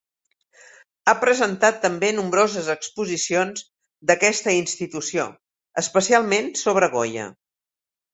Ha presentat també nombroses exposicions d'aquesta institució, especialment sobre Goya.